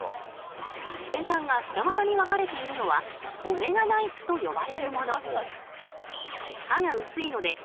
先端が二股に分かれているのは「オメガナイフ」と呼ばれるもの。